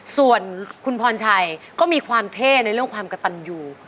ส่วนคุณพรชัยก็มีความเท่ในเรื่องความกระตันอยู่